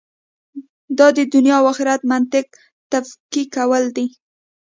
دا د دنیا او آخرت منطق تفکیکول دي.